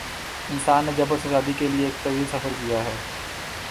انسان نے جبر سے آزادی کے لیے ایک طویل سفر کیا ہے۔